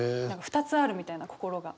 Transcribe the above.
２つあるみたいな心が。